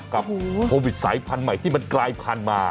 กับโควิดสายพันธุ์ใหม่ที่มันกลายพันธุ์มา